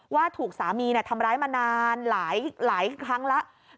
ว่าถูกสามีทำร้ายมานานหลายครั้งแล้ว